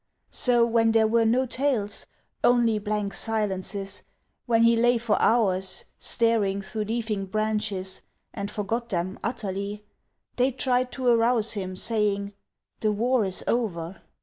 So, when there were no tales, Only blank silences When he lay for hours Staring through leafing branches And forgot them Utterly They tried to arouse him, saying: "The war is over."